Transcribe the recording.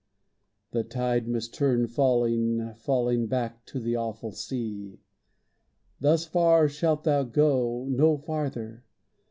The tide must turn falling, falling Back to the awful sea. Thus far shalt thou go, no farther.